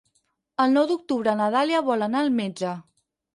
El nou d'octubre na Dàlia vol anar al metge.